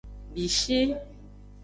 Bishi.